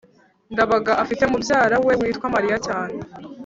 ndabaga afite mubyara we witwa mariya cyane